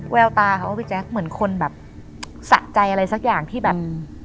แววตาเขาพี่แจ๊คเหมือนคนแบบสะใจอะไรสักอย่างที่แบบ